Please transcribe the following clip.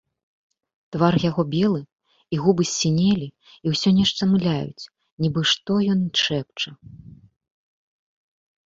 Твар яго белы, і губы ссінелі і ўсё нешта мыляюць, нібы што ён шэпча.